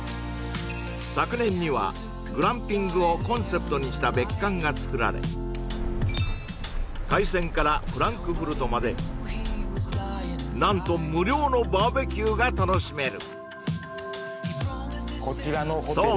昨年にはグランピングをコンセプトにした別館がつくられ海鮮からフランクフルトまで何と無料のバーベキューが楽しめるそう